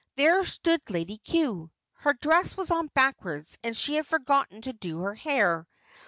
There stood Lady Cue. Her dress was on backwards and she had forgotten to do her hair.